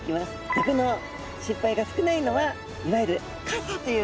毒の心配が少ないのはいわゆる傘という部分なんですね。